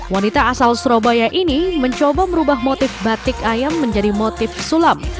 wanita asal surabaya ini mencoba merubah motif batik ayam menjadi motif sulam